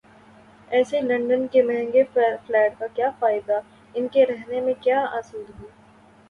ایسے لندن کے مہنگے فلیٹ کا کیا مزہ، ان کے رہنے میں کیا آسودگی؟